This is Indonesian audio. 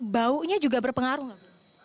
baunya juga berpengaruh nggak